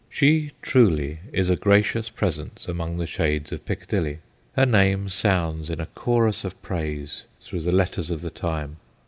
She, truly, is a gracious presence among the shades of Piccadilly. Her name sounds in a chorus of praise through the letters of the time.